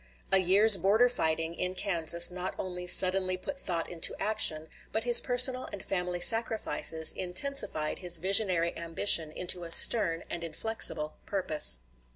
A year's border fighting in Kansas not only suddenly put thought into action, but his personal and family sacrifices intensified his visionary ambition into a stern and inflexible purpose.